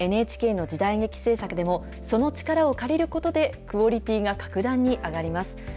ＮＨＫの時代劇制作でも、その力を借りることで、クオリティーが格段に上がります。